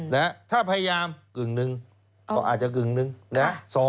นะฮะถ้าพยายามกึ่งหนึ่งก็อาจจะกึ่งหนึ่งนะ